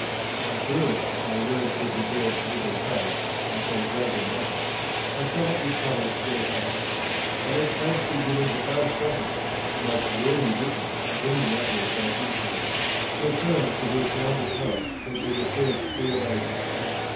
And truly if my words should deserve 7* but little faith in so great a matter I shall not be troubled thereat ; but let faith be given to Aristotle, a most worthy witness in any matter of great import, who affirms that he has found the Poets to have been the first Theologians.